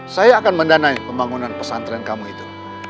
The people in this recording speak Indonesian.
saya akan mendanai pembangunan pesantren kamu itu